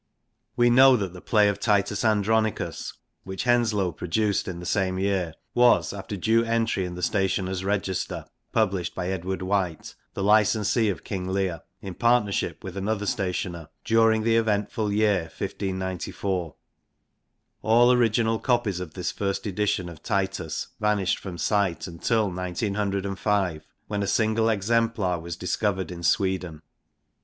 We know that the play of Titus Andronlcus^ which Henslowe produced in the same year, was, after due entry in the Stationers' Register, published by Edward White, the licensee of King Leir (in partnership with another stationer) during the eventful year 1594. All original copies of this first edition of Titus vanished from sight until 1905, when a single exemplar was discovered in Sweden.